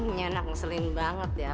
nyenak ngeselin banget ya